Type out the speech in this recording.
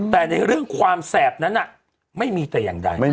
แต่ในเรื่องความแสบนั้นไม่มีแต่อย่างใด